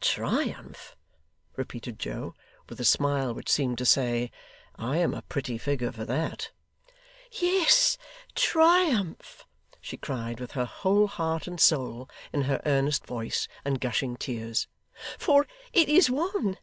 'Triumph!' repeated Joe, with a smile which seemed to say, 'I am a pretty figure for that.' 'Yes, triumph,' she cried, with her whole heart and soul in her earnest voice, and gushing tears; 'for it is one.